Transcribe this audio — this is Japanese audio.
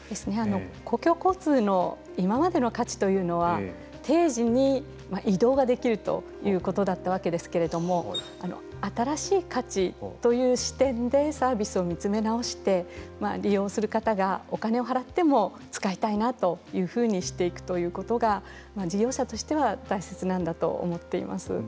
公共交通の今までの価値というのは定時に移動ができるということだったわけですけれども新しい価値という視点でサービスを見つめ直して利用する方がお金を払っても使いたいなというふうにしていくということが事業者としては大切なんだと思っています。